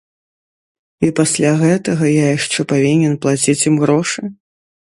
І пасля гэтага я яшчэ павінен плаціць ім грошы?